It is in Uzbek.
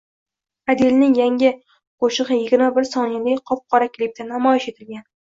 Adelning yangi qo‘shig‘iyigirma birsoniyali oq-qora klipda namoyish etilgan